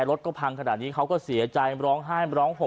รถก็พังขนาดนี้เขาก็เสียใจร้องไห้ร้องห่ม